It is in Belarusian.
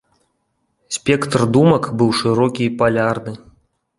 Спектр думак быў шырокі і палярны.